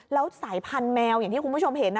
แล้วสายพันธแมวอย่างที่คุณผู้ชมเห็น